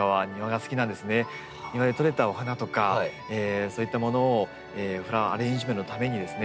庭でとれたお花とかそういったものをフラワーアレンジメントのためにですね